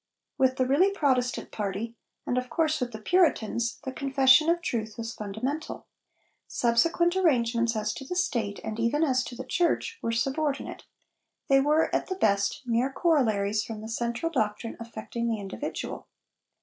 With the really Protestant party, and, of course, with the Puritans, the confession of truth was fundamental. Subsequent arrangements as to the State, and even as to the Church, were subordinate they were, at the best, mere corollaries from the central doctrine affecting the individual.